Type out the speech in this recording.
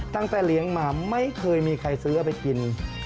ตั้งแต่เลี้ยงมาไม่เคยมีใครซื้อเอาไปกิน